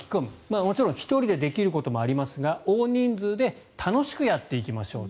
もちろん１人でできることもありますが大人数で楽しくやっていきましょうと。